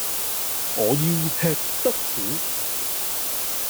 我要吃得苦